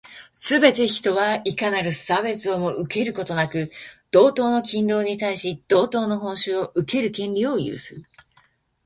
すべて人は、いかなる差別をも受けることなく、同等の勤労に対し、同等の報酬を受ける権利を有する。